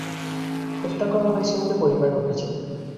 হত্যা করা হয়েছে বলে পরিবারের অভিযোগ।